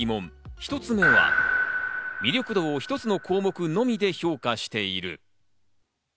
１つ目は、魅力度を１つの項目のみで評価している。